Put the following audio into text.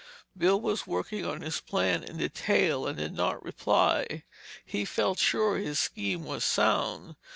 Bill was working out his plan in detail and did not reply. He felt sure his scheme was sound.